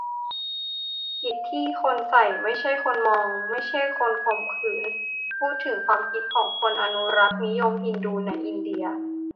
ผิดที่คนใส่ ไม่ใช่คนมอง ไม่ใช่คนข่มขืน - พูดถึงความคิดของ อนุรักษ์นิยมฮินดู ในอินเดีย